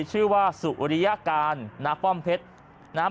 ชื่อว่าสุริยการณป้อมเพชรนะครับ